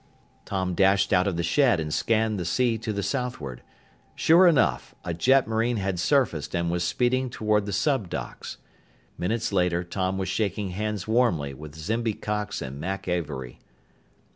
Tom dashed out of the shed and scanned the sea to the southward. Sure enough, a jetmarine had surfaced and was speeding toward the sub docks. Minutes later, Tom was shaking hands warmly with Zimby Cox and Mack Avery.